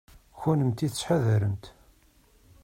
Kennemti tettḥadaremt.